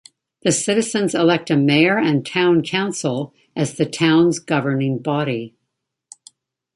The citizens elect a Mayor and Town Council as the town's governing body.